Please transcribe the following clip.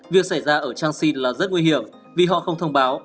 việc xảy ra ở trang sinh là rất nguy hiểm vì họ không thông báo